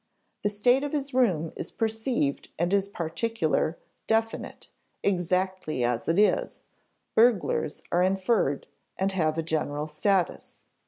The state of his room is perceived and is particular, definite, exactly as it is; burglars are inferred, and have a general status.